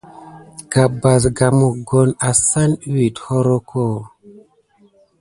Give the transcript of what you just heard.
Gabba sikà mokoni asane wuke horike amà a nat aɗakiga.